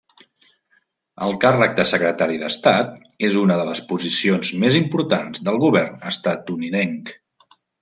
El càrrec de Secretari d'Estat és una de les posicions més importants del govern estatunidenc.